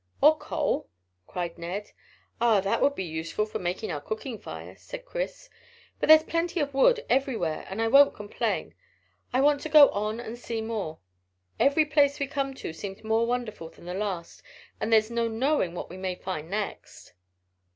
"Or coal," cried Ned. "Ah, that would be useful for making our cooking fire," said Chris. "But there's plenty of wood everywhere, and I won't complain. I want to go on and see more. Every place we come to seems more wonderful than the last, and there's no knowing what we may find next."